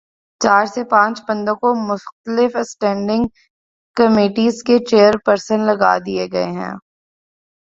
چار سے پانچ بندوں کو مختلف اسٹینڈنگ کمیٹیز کے چیئر پرسن لگادیے گئے ہیں۔